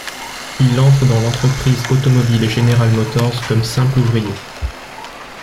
Il entre dans l'entreprise automobile General Motors comme simple ouvrier.